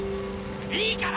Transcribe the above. いいから！